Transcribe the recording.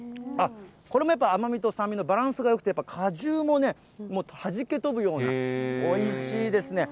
これもやっぱり甘みと酸味のバランスがよくて、果汁もね、もうはじけ飛ぶようなおいしいですね。